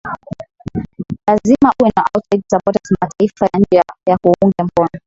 lazima uwe na outside support mataifa ya nje yakuunge mkono